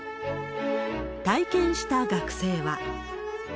体験した学生は。